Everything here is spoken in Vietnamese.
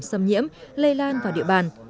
xâm nhiễm lây lan vào địa bàn